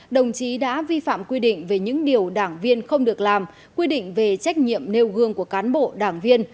đồng chí đã vi phạm quy định về những điều đảng viên không được làm quy định về trách nhiệm nêu gương của cán bộ đảng viên